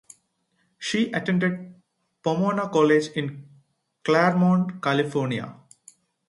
She attended Pomona College in Claremont, California.